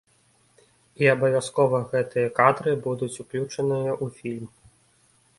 І абавязкова гэтыя кадры будуць уключаныя ў фільм.